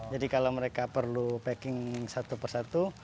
jadi kalau mereka perlu packing satu per satu